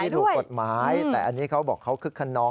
ถูกกฎหมายแต่อันนี้เขาบอกเขาคึกขนอง